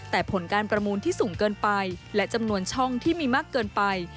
แต่ผลการประมูลที่สูงเกินไปและจำนวนช่องที่มีมากเกินไป